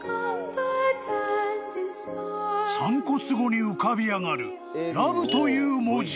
［散骨後に浮かび上がるｌｏｖｅという文字］